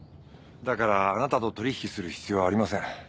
だからあなたと取引する必要はありません。